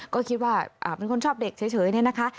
ก็คิดว่าเป็นคนชอบเด็กเฉยเนี่ยนะคะ